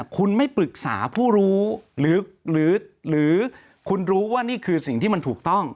คุณไม่ปรึกษาผู้รู้หรือคุณรู้ว่านี่คือสิ่งที่มันถูกต้อง